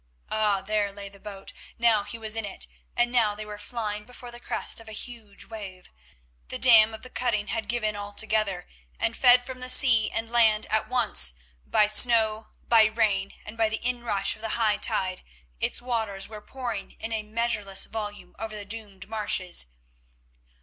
Ah! there lay the boat. Now he was in it, and now they were flying before the crest of a huge wave. The dam of the cutting had given altogether, and fed from sea and land at once, by snow, by rain, and by the inrush of the high tide, its waters were pouring in a measureless volume over the doomed marshes.